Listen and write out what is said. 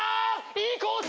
いいコース！